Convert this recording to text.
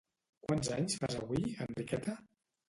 Quants anys fas avui, Enriqueta?